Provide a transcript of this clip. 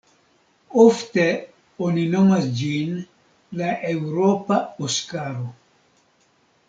Ofte oni nomas ĝin la "eŭropa Oskaro".